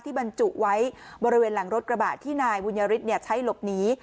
บรรจุไว้บริเวณหลังรถกระบะที่นายบุญยฤทธิ์ใช้หลบหนี